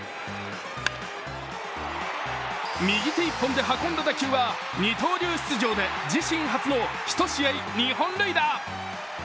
右手一本で運んだ打球は二刀流出場で自身初の１試合２本塁打。